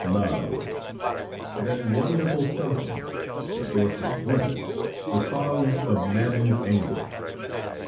Love! That wonderful something the source of bliss, the cause of maddened anguish!